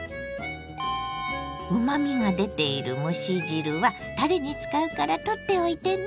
うまみが出ている蒸し汁はたれに使うから取っておいてね。